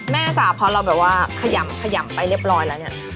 จ้ะพอเราแบบว่าขยำขยำไปเรียบร้อยแล้วเนี่ย